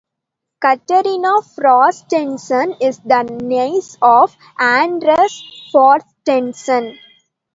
Katarina Frostenson is the niece of Anders Frostenson.